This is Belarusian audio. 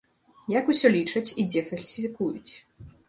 Як усё лічаць і дзе фальсіфікуюць?